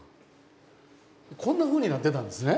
こんなふうになってたんですね。